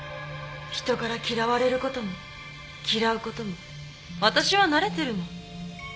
人から嫌われることも嫌うこともわたしは慣れてるの。